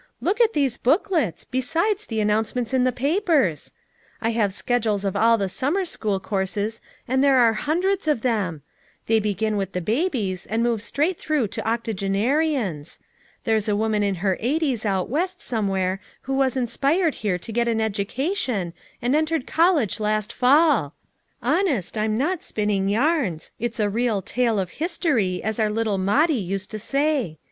Look at these book lets, besides the announcements in the papers. I have schedules of all the summer school courses and there are hundreds of them; they begin with the babies and move straight through to octogenarians. There's a woman in her eighties out west somewhere who was inspired here to get an education, and entered college last fall; honest, I'm not spinning yarns, it's a real 'tale of history' as our little Mandie used to say.